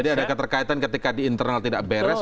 jadi ada keterkaitan ketika di internal tidak beres